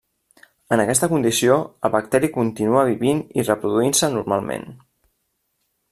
En aquesta condició el bacteri continua vivint i reproduint-se normalment.